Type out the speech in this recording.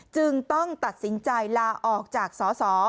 จึงต้องตัดสินใจลาออกจากสส